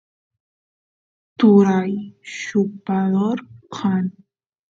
turay yupador kan